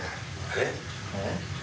えっ？